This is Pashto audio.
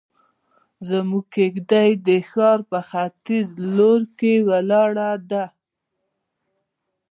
زموږ کيږدۍ د ښار په ختيز لور کې ولاړه ده.